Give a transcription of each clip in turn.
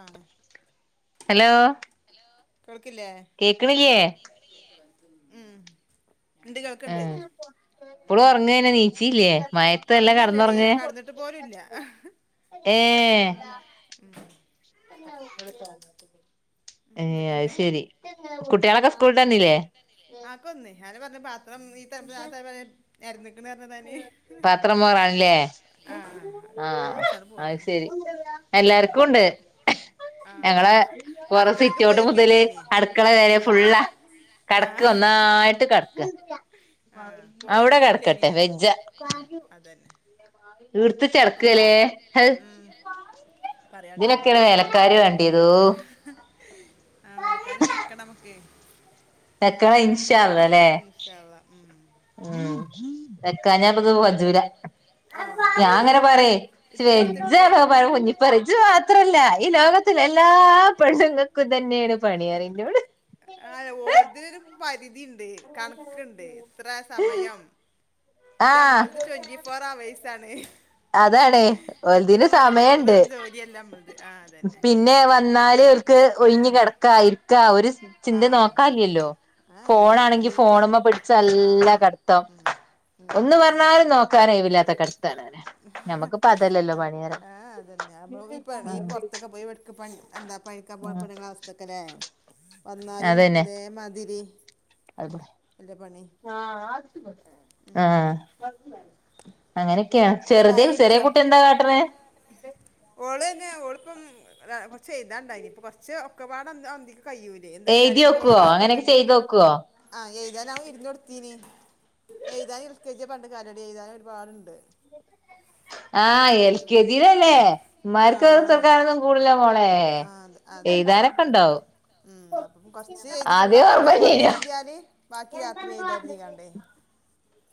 ആഹ് hello കേൾക്കില്ലേ കേക്ക്‌ണില്ലേ? ഉണ്ട് കേൾക്കുണ്ട് ആഹ് ഇപ്പളും ഉറങ്ങന്നെ നീച്ചില്ലേ മയത്ത് നല്ലോം ഒറങ്ങല്ലടി കടന്നുറങ്ങേ കടന്നിട്ട് പോലുംല്ല ഏഹ് ഏഹ് അയ് ശരി ഉം കുട്ടികളൊക്കെ സ്കൂളിട്ട് വന്നില്ലേ ആന്നെ പറഞ്ഞെ പാത്രം ഈ തല തൊട്ട് ആ തല വരേ നേരെന്ന് ക്ക്‌ന് പറഞ്ഞെ പാത്രം മോറാനില്ലേ ഞാന് ആഹ ഔടെ ആഹ് വെച്ചാണ്ട് അത് പോന്ന്ണ് ശരി എല്ലാർക്കും ഉണ്ട് ആഹ് ഞങ്ങളെ പൊറം അടുക്കളേക്ക് സിറ്റോട്ട് മുതല് പോയോക്കിട്ടില്ലേനി അടുക്കള വരെ ആഹ് ഫുള്ളാ കിടക്ക് ആഹ് ഒന്നായിട്ട് കെടക്കാ ആഹ് അവിടെ പോയോക്കിട്ടില്ലേനി കിടക്കട്ടെ വെജ്ജ ആഹ് അതന്നെ ഇടു ത്ത് നമുക്ക് ചെടക്കാലേ മണ്ട ഉം പറയാണ്ടോ ഇതിനൊക്കെണ് വേലക്കാരി വേണ്ടിയതോ ആ വേനക്കത് വെക്കണംമൊക്കെ തെക്ക ഇൻഷള്ളല്ലേ അള്ളാ ഉം. ഉ കഞ്ഞ പക്ക് പഞ്ജൂരാ ആ ഞാൻ അതന്നെ അങ്ങനെ പറ എടുത്ത് എടുത്ത് ശജ എടുത്ത് ആ. പറ കുഞ്ഞിപ്പറിജ മാത്രല്ല ഈ ലോകത്തിലെ എല്ലാ പെണ്ണുങ്ങൾക്കും ഇതന്നെയാണ് പണിയാറിഞ്ഞോട് കോളതിരു പരിധിയണ്ട് കണക്കുണ്ട് എത്ര സമയം ഇതമ്മളത് ട്വന്റി ഫോർ അവേർസാണ് അതണേ ഒതിന് സമയുണ്ട് മണിക്കൂറും ജോലിയല്ല നമ്മളത് ആ അതന്നെ പിന്നെ വന്നാല് അവർക്ക് ഒഴിഞ്ഞ കിടക്കാ ഇരിക്കാ ഒരു ആ ആ ചിന്ത അതെ നോക്കാല്ലല്ലോ ആ ഇല്ല ഫോൺ ഇല്ല അല്ല ആണെങ്കി ഈ പെ- ഫോണമ്മ ആ പിടിച്ചല്ലാ കടത്തം ഉം, ഉം, ഒന്ന് അതന്നെ പറഞ്ഞാലും നോക്കാനേ ഇല്ലാത്ത കടുത്താണ്നെ നമ്മുക്കിപ്പ അത അത ആ അതന്നെ അ ഈ പുറത്തൊക്കെ പോയിണ എന്താ പഴിക്കാൻ പോ ആഹ് പ ക്കല്ലേ വന്നാലും അതേമാതിരി അ അല്ലേ പണി ആഹ അങ്ങനെ െയ ചായ ചെറുതെ ചെറിയ പിടിച്ചോ കുട്ടി എന്താ കാട്ടണെ കൊറച്ച് ചെയ്താണ്ടായിനി ഇപ്പൊ കൊറച്ച് ഒക്കപാട് എഴുതി വോക്കുവോ അങ്ങനൊക്കെ ചെയ്ത് നോക്കുവോ ആഹ എഴുതാാന അവൻ ഇരുന്ന് കൊടുത്തീനി എഴുതൻ ഇ കജ പണ്ട് കലടി ചെയ്താും ഒരുപാടുണ്ട് ആഹ് എൽ കെ ആ ജയിലല്ലേമാർക്ക്ത്തക്കാരൊന്നും കൂടല മോളെ ആ അത് അതന്നെ എഴ്ുതാനൊക്കെ ഉണ്ടാവ ഉം അപ്പം കൊറച്ച് എഴുതി ഫുുള്ള ആാക്കിയിട്ടില്ല കൊറച്ച് ശരിയാ എഴുതിയല് ബാക്കി രാത്രി എഴുതായിീക്കണ്ടേ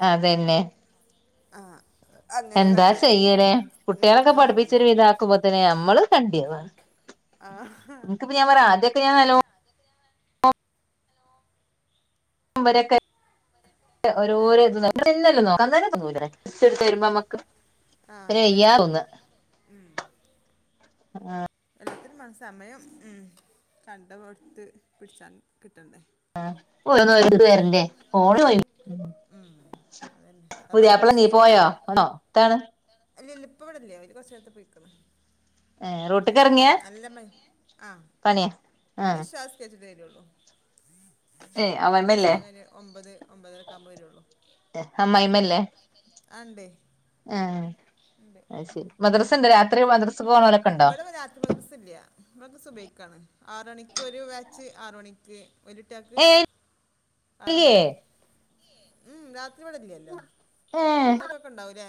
അതന്നെ ആ അങ്ങനെ എന്താ കാട്ടിയത് ചെയ്യലേ ഉം, കുട്ടികളൊക്കെ ആ അതന്നെ പഠിപ്പിച്ചൊരു ഇത ആാക്കുമ്പോത്തന്നെ നമ്മള് കണ്ടിയ ആ നിനക്ക്ിപ്പ ഞാൻ പറ ആദ്യൊക്കെ ഞാൻ നല്ലോ രൊക്കെ ഏ, ഓരോരോ ഇ ന ന്നല്ല നോ അം തന്ന ഇ എടുത്ത് തരുമ്പോ നമ്മക്ക് ആഹ പിന്നെ വയ്യാ അതന്നെ ഉ ആഹ ഇത്തി സമയം ഉ കണ്ടപടുത്ത് പിടിച്ചാണ്ട് ആ ന്നത് പേരന്റെറെ ഫോണ് പോയി ഉം, അതന്നെ അതുപോലെ പുതിയപ്പള നീ പോയോ ആണോ എതാണ് അല്ല ഇല്ല ഇപ്പ ഇവിടെല്ലേ അവര് കുറു നേരത്ത് പോയിിക്കണം ഏ റൂട്ട്ക്ക് ഇറങ്ങിയ നല്ല മ ആഹ പണിയാ ഇനി ആഹ് ശ്വാസം കഴച്ചിട്ട് തരുള്ളൂ ഏ അമ്മായിമ്മല്ലേ സസ്ക ക ഒമ്പത് ഒമ്പതൊക്കെ ആവ്പോ വരുള്ളു അമ്മമല്ലേ അണ്ട്േ ആഹ അ ശരി മദ്രസുണ്ട് രാത്രി മദ്രസ് പോണലൊക്കെ ഉണ്ടോ ഇൊക്ക സുഭക്കാണ് ആറ മണിക്ക് ഒരു വാച്ച് ആറ മണിക്ക് വലിട്ടക്ക് ഏ ആര ഇല്ലേ മണിക്ക് ഉ രാത് അരി പടല്ലല്ലോ ഇൊക്കൊക്കെ ഉണ്ടാവൂല്ലേ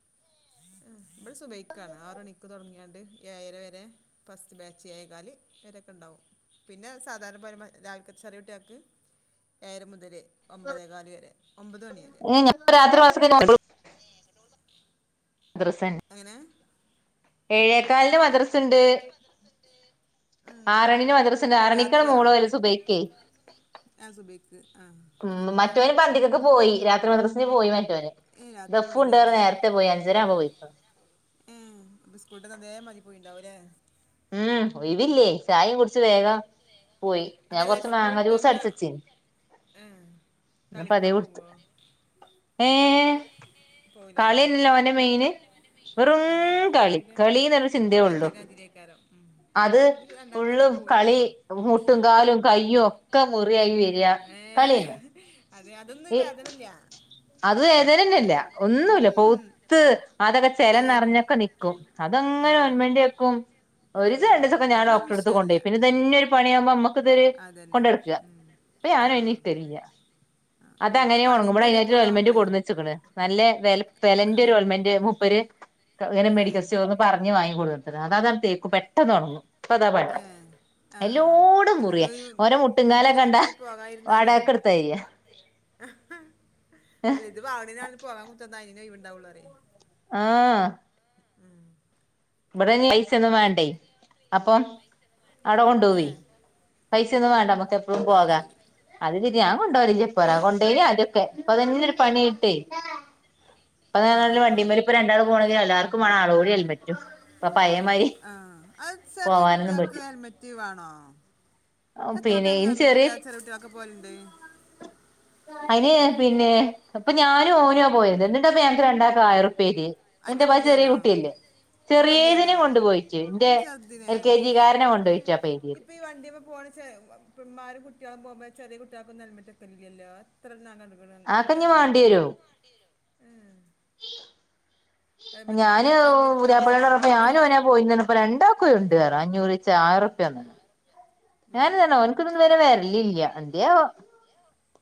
അ [unintelligible] ഇമ്മൾ സുഭൈക്കാണ് ആറ മണിക്ക് തുടങ്ങിയാണ്ട് ഏര വരെ ഫസ്റ്റ് ബാച്ച ആായക്കാല് വരെ ണ്ടാവും പിന്നെ സാധാരണ പരമാ രാവില കച്ചറിയ വട്ടിയ ആക്ക് ഏര് മുതലേ ഒമ്പതേകാല് വരെ ഒമ്പത് മണി വരെ ഏ ഞാൻ രാത്രി അദ്രസൻ അങ്ങനെ ഏഴേക്കാലിന് മദ്രസുണ്ട് ഉം, ആറണിന് മദ്രസിന്, ആറണിക്കണ- രാത്രിയോ മോള്ളു വരും സുബക്കേ. ആ സുബൈക്ക് ആ ഉ അങ്ങനെ മറ്റോന് പോ അന്തിക്കക്ക് പോയി രാത്രി മദ്രസ് പോയി മറ്റോന് ഏ രാത്രി ഉണ്ടല്ലേ ദഫുണ്ട് അവിടെ പറഞ്ഞു നേരത്തെ പോയി അഞ്ചരാബോ പോയി ആ സ്കൂട്ട് അന്തേ മതിരി പോയിണ്ടാവും അല്ലേ ഉം ഒഴിവില്ലേ ചായയും കുടിച്ച് വേഗം... പോയി. ഞാൻ കൊറച്ച് മാങ്ങ ജ്യൂസ് അടിച്ചച്ചീ. ആഹ. എന്നപ്പതേ വിടുത്ത് ഏ... ! പോവുലേ കളിന്നലേ ഓന്റെ മെയിന്. വെറും ഏ ഇവിടെ കളി, ഇന്റെ കളിന്നല്ല ചിന്തേ ഇന്റെ ഉള്ളു. വലുതിന്റെ അതിരേക്കാരം ഉം അത് ഇത് രണ്ടാമത്തെ അങ്ങനെ ഉള്ളും, കളി പോവൂലട്ടോ മുട്ടുംകാലും, കയ്യും ഒക്കെ മുറിയായി വരിക. ഏ കളിയന്നെ അത് അതൊന്നും ഒരു ഈ വേദനല്ല അത് വേദ നന്നല്ല. ഒന്നൂല്ല ഉം പൗത്ത് അതൊക്കെ ചെലം എന്തായാലും നിറഞ്ഞൊക്കെ നിക്കും ആ അതങ്ങനെ ഓർമേന്റേക്കും. ആ ഒരുസേ രണ്ടി സൊക്കെ ഞാൻ അതൊന്നൊരു ഡോക്ടറെട്ത്ത് വിഷയല്ല കൊണ്ടൊഴി പിന്നെതെനൊരു പണിയാമ്പോ നമ്മക് അതന്നെ കൊണ്ടടുക്കുക ഉം അപ്പ ആ ഞാനും അനിന്ന് നിക്കാറില്ല ആ ഓൾക്ക് അതങനെ ഒണങ്ങുമ്പോളെ, കളിന്റെ ഞാൻ ഇടക്കൂടെ ഓൽമെന്റ് ആവുമ്പളേ കൊടുനച്ക്ക്ണ്, നല്ല വെലന്റെോൽമെന്റ് മുപ്പര്. ഇങ്ങനെ ആ മെഡിക്കൽ സ്റ്റോർന്ന് പറഞ്ഞ് വാങ്ങി കൊടുത്ക്ക്ണ് അതാണ് തേക്കും പെട്ട ത തുണങ്ങും ഇപ്പതാ പണി. ഏ ആ ആ എല്ലോടും അല്ലാതെ മുറിയാ, ഒരു ഓന്റ മുട്ടിങ്കാലൊ മിനിറ്റിന് കണ്ടാ മിനിറ്റിന് പോകാതിരുന്നാലേ വാടകക്ക്ട്ത്താരിയാ. ആഹ്. അല്ല ഇത് വാവിടന ആ പോകാൻ- കുത്തന്നാ അന ഒഴിവണ്ടാവുള്ളൂ അറേ. ആഹ ഉം. ഇവിടെ പൈസ ഒന്നും വേണ്ടേ അപ്പം അവിട കൊണ്ടു ഏ പോവും പൈസ ഒന്നും വേണ്ട നമ്മക് എപ്പഴും അത് പോക. ശരി അത്ശെരിയാ ഞാൻ കൊണ്ടോവലില്ലപ്പോ, ഏ ഞാൻ കൊണ്ടേയിന് ആദ്യക്കെ. ഇപ്പോതന്നെ ഒരു പണിട്ടെയ്. ആ ആ അപ്പ ആ വണ്ടിമാരി ഇപ്പൊ രണ്ടാൾ- പോണെങ്കിൽ എല്ലർക്കും മാണം ആളൂടി ഹെൽമെറ്റും. ഇപ്പൊ പഴേമാരി ആ അത് ചെറിയ പോവാനൊന്നും കുട്ടികൾക്ക് പറ്റും ഹെൽമെറ്റ് വേണോ? പിന്നെ എത്രണ്ണം ഇനി ചെറിയ ഹെൽമെറ്റിലാതെ ചെറിയാകുട്ട്യാളൊക്കെ പൊവല്ണ്ട്. അയിന് പിന്നെ ഇപ്പഞാനും ഓന് പോയത്, എന്നിട്ടാപ്പ ഞങ്ങക്ക്- രണ്ടാക്കാ ആയിറുപ്പ്യഎയ്ത്യേ. എന്റെ എൻ്റെ പ ചെറിയ വലിയവനോ കുട്ടിയല്ലേ? വലിയനോ ചെറിയതിനെ കൊണ്ടുപോയിറ്റ് ഇന്റെ അത് ചെറുതിനെ എൽ കെ ജി കാരനെ കൊണ്ടൊയിറ്റാപാ എയ്ത്യേ. ചെ പെങ്ങമാരെ കുട്ട്യെളെ- പോവുബോ ചെറിയ കുട്ട്യാക്കൊന്നും ഹെൽമെറ്റക്കലിലലോ. ആ ക്കെന്നി വാണ്ടിഏരും ആഹ്. ഹെൽമെറ്റ് കൂടി ഞാന് വെച്ചാൽ ഇരിക്കാനും സ്ഥലം പുത്യാപളനോടപ്പം ഉണ്ടാവില്ല ഞാനും അങ്ങനെ പോയിന്, പറഞ്ഞപ്പോ- രണ്ടാകുണ്ട് നറഞ്ഞു അന്നൂ റീച്ചെ ആയി റുപ്യ. യാ. ഞാനതണോ എനിക്കിന്നൊന്നും- വരെ വേറെല്ല ഇല്ല എന്റെയേ ആവോ.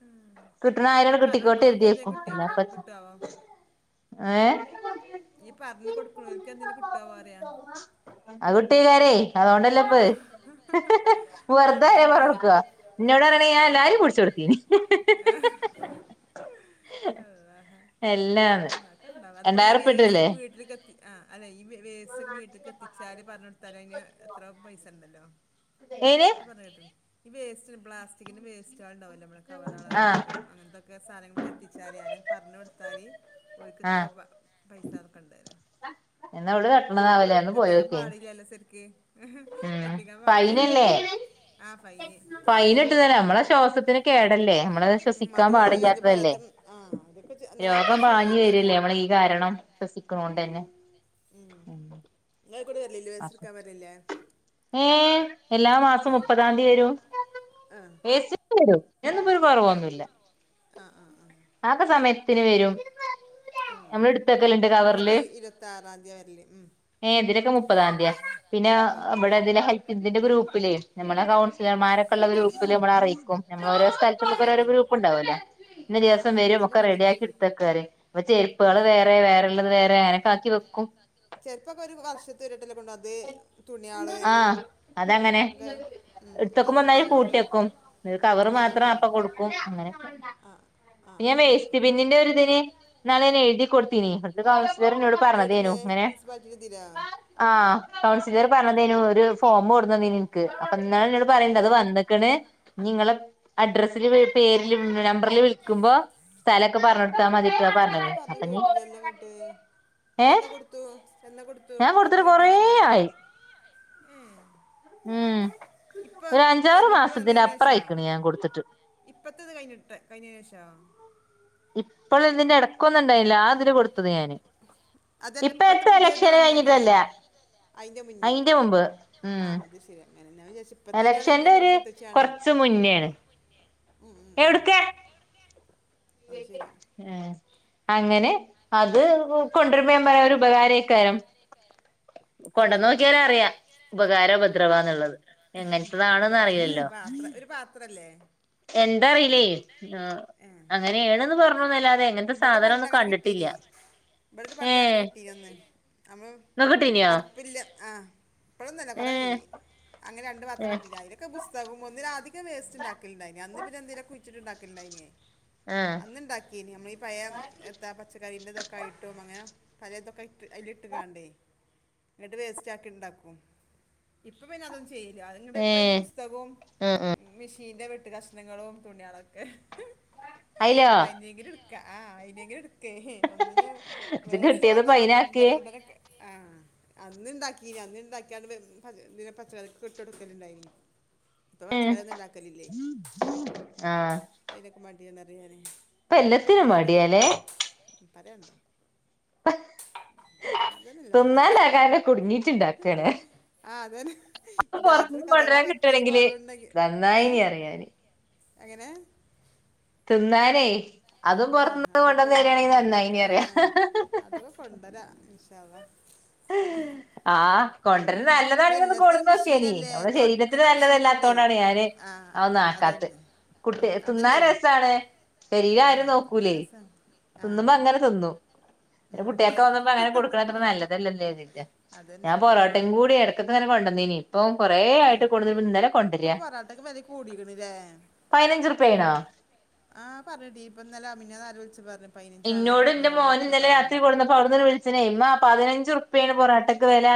ഉം. ക്ട്ണായിര ഈ ഇങ്ങ്ട്ട് പറഞ്ഞു കിട്ടിക്കോടേ- കൊടുക്കുന്നവർക്ക് എന്തെങ്കിലും കരിതേക്കും കിട്ടിയേക്കും അല്ലാതെപ്പോന്താ. കിട്ടുവോ ഈ പറഞ്ഞു കൊട്ക്ക്ണോൽക്ക്, എന്തെലും കിട്ടോ. അത്കിട്ടും അക്കാരെ ആ. അതോണ്ടല്ലെപത് ഇഹ്. ഹ്.. വെറുതെ ആരെലും അതന്നെ പറഞ്ഞെടുക്കോ ഇന്നോടറയാണിങ്കില് ഞാനല്ലാരിം പുടിചൊടിതീനി ഇഹ്.. ആ ഇഹ്.. ഇഹ്.. ഇഹ്.. അല്ലാഹ് ഹ്... ! എല്ലാന്ന് അങ്ങനൊക്കെ ഉണ്ടാവും അതിപ്പോ ഈ വേസ്റ്റ് രണ്ടായർപ്പട്ടല്ലേ നമ്മൾ വീട്ടിലേക്ക് എത്തി ആ അല്ലേ ഈ വേ സ്റ്റോക്കെ, വീട്ടിലക്ക് എത്തിച്ചാല് പറഞ്ഞ- കൊടുത്താല് അയിന് എത്ര പൈസ ഉണ്ടല്ലോ. ഏയിന് പറഞ്ഞ കേട്ട ഈ വേസ്റ്റ് പ്ലാസ്റ്റിക്കിന്റെ വേസ്റ്റാളുട്ടാവോലോ നമ്മ കവറള ആഹ് ഇട്ടും അങ്ങനത്തെൊക്കെ സാധനങ്ങൾക്ക് എത്തിച്ചാല് ആരങ്കും പറഞ്ഞ കൊടുത്താല് ഓല്ക്ക് ഇത്ര ആഹ് വ പൈസ നക്കണ്ടായ്ന് എന്ന അവള് കെട്ടണ നാവൊലെ, ഒന്ന് പോയോക്കേന്. പാടില്ലല്ലോ ശരിക്ക് ആ കത്തിക്കാൻ പാടില്ലല്ലോ ഫൈനല്ലേ. ആ ഫൈന് ഫൈനിട്ട് തരാമ്മളെ ശ്വാസത്തിന് കേടല്ലേ നമ്മളെ ഉം ശ്വസിക്കാൻ അതുവാണ് അത് പാടില്ലാത്തതല്ലേ പറയാത്ത ആ അതൊക്കെ എന്നാ ആൾക്കാര് ചെയ്യുവല്ലോ രോഗംവാങ്ങിവരെല്ലേ അറിയേ നമ്മളീകാരണം ശ്വസിക്കുണൊണ്ടന്നെ ഉം യ്ക്കുടെവർലില്ലേ വേസ്റ്റ്ട്കാൻ വർലില്ലേ ആ എല്ലാമാസം ആ മുപ്പതാംതീ വരും ആ വേസ്റ്റ് ട്ക്കാവരും [unintelligible] കൊറവൊന്നുല്ല ആ ആ ആ ആക്ക സമയത്തിന് വരും ആ നമ്മളെടുത്തക്കെല്ലണ്ട് ഇവിടൊക്കെ കവറില് ഇരുപത്താറാം തീയതി വരല് ഉം ഏ എന്തിനൊക്കെ പ്പതാംതിയാ പിന്നെ മുപ്പതാം തീയതി അല്ലേ അവിടെതില് ഹൈതിദ്ദിന്റെ ഗ്രൂപ്പില് നമ്മളെ കൗൺസ് ക്ലിയറർമാരൊക്കെള്ള ഗ്രൂപ്പില്മ്മള് അറീക്കും ആ ഞമ്മളോരോ ആ ആ സ്ഥലത്തൊക്കെപ്പൊരോരോ അതെ ഗ്രൂപ്പ്ണ്ടാവുലെ ഇന്ന് ആ ആ അങ്ങനെ ദിവസംവരും തന്നെ ഇവിടെയും ഒക്കെറെഡിയാ ക്കിട്ത്തക്കാന് പ്പൊചെരുപ്പാള് ആ വേറെ വേറെള്ളത് വേറെ അങ്ങനൊക്കാക്കി വെക്കും ചെരിപ്പൊക്ക ഒരു വവർഷത്തി തരുട്ടല്ലെ കൊണ്ടാത് തുണിയാള് ആഹ് അതങ്ങനെ അക്കെ മ് വശത്തരുട്ടോ കും പിന്നെ കവറ് മാത്രം അപ്പ കൊടുക്കും അങ്ങനെ ആ ആ പിന്നെ ആ ആ വേസ്റ്റ് ആ പിന്നിന്റെ ഒരുതിന് ഇനാള് ഞാ എഴുതികൊട്തീനി ങ്ങട്ട് എട്ന്ന് മുനിസിപ്പാലിറ്റി തിനോ ആ കൗൺസിലർ പറഞ്ഞ തേനു ഒര് ഫോമ് കൊടുന്നന്നീന് ഇൻക്ക് അപ്പൊ ഇന്നലെ ന്നോട് പറിണ്ട് അത് ഏ വന്ന്ക്ക്ണ് നിങ്ങള് അഡ്രസ്സില് വീ പേരില് നമ്പറില് വിളിക്കുമ്പോ സ്ഥലക്കെ പറഞ്ഞൊട് മ് ഇമ്പടന്നും പറഞ്ഞേകേട്ടിലല്ലൊങ്ങട്ട് ഏഹ് എന്നാ കൊടുത്തൂ എന്നാ കൊട് ഞാൻ കൊട്ത്ത്ട്ട് കൊറേ ആയി ഏ ഉം ഇപ്പൊ ഒരഞ്ചാറ് തെരഞ്ഞെടുപ്പ് വന്നതിന് ശേഷാ മാസത്തിനപ്പറയിക്ക്ണ് ഞാൻ കൊടുത്തിട്ട് ട്ട് കഴിഞ്ഞേന് ഷോ ഇപ്പള് ഇതിൻ്റെ എടക്കൊന്ന് ണ്ടായി ലോ ആതില് കൊട്ത്തതാ ഞാന് അതല്ല ഇപ്പത്തെ പുതിയേ ത് വന്നേന് ഷോ അയിൻ്റെ മുമ്പ് ഉം അത് ശരി അങ്ങനെ ഞാൻ വിചാരിച്ചു ഇപ്പത്തിലാണ് ഇന്റെ എലക്ഷൻ്റെ ഇവിടെ ഒര് മുത്തച്ചിയാണേ കൊറ്ച്ച് ഉം മുന്നേണ് ഉം ഉം ഉം എവിട്ക്കാ അത് ശരി ഏ അങ്ങനെ അത് കൊണ്ടൊരുമ്പോ ഞാപറയാ ഒര് ഉപകാരെയ്ക്കാരം ആ അതന്നെ കൊണ്ടന്നോക്കിയാലറിയാ ഉപകാരോ ഉപദ്രവോ ന്ന്ള്ളത് എങ്ങൻത്തതാണെന്ന് ഉപകാരത്തിന് അറീലല്ലോ ഒരു പാത്ര ഒരു പാത്രല്ലേ എന്താറീ ലെ ആ ഏഹ് അങ്ങനെണ്ന്ന് പറഞ്ഞൂനല്ലാതെ ഇവിടെ പണ്ടങ്ങനെ കിട്ടീനി ഇവിടരു പണ്ട് അങ്ങനെ ഏഹ് കിട്ടീ നൊന്ന് നമ്മള് ഇങ്ങക്ക് കിട്ടീനിയോ അടുപ്പില്ല ആ ഇപ്പഴൊന്നല്ല കൊറായി ഏഹ് അങ്ങന രണ്ട് ഏഹ് പാത്രകിട്ടീ നി അയ്ലെക്കെ പുസ്തകും ഒന്നി ലാധിക് വേസ്റ്റ്ണ്ടാക്കല്ണ്ടായ്നി അന്ന് പിന്നെ എന്തേലൊകെ കുയി ച്ട്ട് ണ്ടാക്കല്ണ്ടായിനി ആഹ് അന്ന്ണ്ടാക്കീനി നമ്മളീ ഏ എത്താ പച്ചക്കറിൻ്റെതൊക്കെയിട്ടും അങ്ങനെ പലേതൊക്കെ അയില്ട്ട്കാണ്ടേ ങ്ങട്ട് വേസ്റ്റാക്കിണ്ടാക്കും ഇപ്പൊ പിന്നെ അതൊന്നു ചെയ്യ ല്ല അത്ങ്ങട്ട് പ്പംഅയി ല് ഏഹ് ആഹ് ആഹ് പുസ്തകുംമീഷീന്റെ വെ ട്ട് കഷ്ണങ്ങളും തുണിയാളൊക്കെ അയിലോ അയിനെങ്കിലുട്ക്ക ആ അയിനെങ്കി ട്‌ക്കേഒന്നിനും ഇജ്ജ് വേസ്റ്റാ കിട്ടിയതിപ്പോ ആ അയിനാക്ക് ഉടനൊക്കെ അന്ന്ണ്ടാക്കീനി അന്ന്ണ്ടാക്കിയാണ്ട് ഇതിന് പച്ചക്കറിക്ക് ഇ ട്ടൊടുക്കല്ണ്ടായിനി ഏ ആ ന്തെന്നറിയാന് ഇപ്പല്ലത്തിനും മടിയാലേ അതെ [unintelligible] എല്ലാവരുടെ അവസ്ഥയും തിന്നാണ്ടാകാന് കുടുങ്ങീട്ട്ണ്ടാക്കാലേ ആ അതന്നെ രാത്രിക്കെ അഥവാ കൊണ്ടുവരാൻ ഇത്തിരി കിട്ടുകയാണെങ്കില് കൊറവ്ണ്ടങ്കി ഏ നന്നായിനി അറിയാന് എങ്ങനെ ന്നാലെ ആ ആര കൊട് ആ അറിയാ അതൊക്കെ കൊണ്ടരാ ഇന്ശാ അള്ള. ആഹ് ആ കൊണ്ടര്ണ ഇപ്പൊ നല്ലതാണങ്കി ഒന്ന് എല്ലാത്തിനും കൊട്ന്നോക്കെനി മെഷീനല്ലേ നമ്മുടെ ശരീരത്തിന് തുടക്കണ മെഷീനുണ്ടേ നല്ലതല്ലാതോണ്ടാണ് ഞാ ന് ആ അതൊന്നു ആകാതെ അതന്നെ കു ഉം, തിന്നാൻ അതല്ലേ രസാണ് പെരി ആ ആരും തിന്നാ നോക്കൂലേയ് രസാ ആ തിന്നുമ്പോ അങ്ങനെ തിന്നും പിന്നെ ഉം. കുട്ടിയൊക്കെ കെ പ്പം അങ്ങനെ കൊട്ക്ക്ണത്ര നല്ലതല്ലല്ലേര്തി അതന്നെ ഞാൻ ഉം. പൊറാട്ടെ കൂടി എടക്കൊക്കെങ്ങനെ കൊണ്ടന്നീനി. ഇപ്പം കൊറെ ആയിട്ട് കൂടുതൽ ഇന്നലെ കൊണ്ട ഇപ്പൊ രാ പൊറാട്ടക്ക് വില കൂടിക്കണില്ലേ പതിനഞ്ചുർപ്യായി ണോ ആ പറഞ്ഞേട്ടീനി ഇപ്പ ഇന്നലെ മിന്നാന്ന് ആ ഇന്നോട് ന്റെ മോൻ ഇന്നലെ രാത്രി പറയുന്നുണ്ട് കൊട്ന്നപ്പം അവിടുന്ന് ട്ട്‌ വിളിച്ച് ണ് ഇമ്മാ പതിനഞ്ച് ർ പ്യാണ് പൊറാട്ടക്ക് വെലാ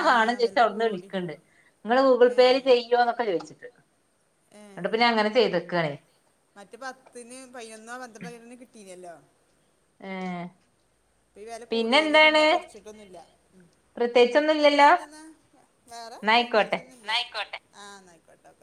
ആ വാണ്ണം ചോയിച്ച് വില ഔട്ന്ന് കൂടി വിളിക്ക്ണ്ട് ഇങ്ങള് ഗൂഗിൾ ഏ പേയില് ചെ യ്യോ ന്നൊക്കെ ചോയിച്ചിട്ട്. ന്ന്ട്ട് പിന്നെ അങ്ങനെ ചെയ്തക്കാണേ മറ്റ പത്തിന് പയ്യൊന്നോ പന്ത്രണ്ടോ കരന് കിട്ടീനല്ലോ. ഏഹ് ഇപ്പ വെല കൂടിയല് പിന്നെ കൊറച്ചിട്ടൊന്നുല്ല. പ്രത്യേകിച്ചൊന്നും പിന്നെ ഇല്ലല്ലോ എന്തന്നാ വേറെ പ്രത്യകിച് എന്നായിക്കോട്ടെ ന്നൂല്ല ആഹ് ന്നയിക്കോട്ടെ.